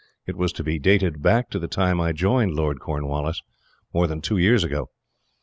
It was to be dated back to the time I joined Lord Cornwallis, more than two years ago.